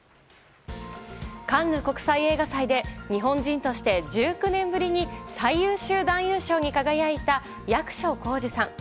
カンヌ国際映画祭で日本人として１９年ぶりに最優秀男優賞に輝いた役所広司さん。